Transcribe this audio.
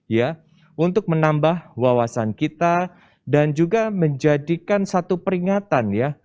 ya untuk menambah wawasan kita dan juga menjadikan satu peringatan ya